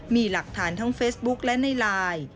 มีหลักฐานทั้งเฟซบุ๊กและในไลน์